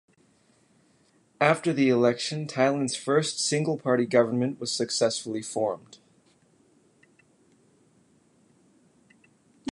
After the election, Thailand's first single party government was successfully formed.